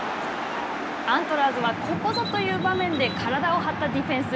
アントラーズはここぞという場面で体を張ったディフェンス。